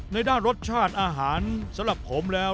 ในด้านรสชาติอาหารสำหรับผมแล้ว